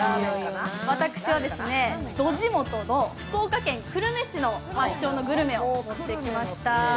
私はド地元の福岡県久留米市のあるグルメを持ってきました。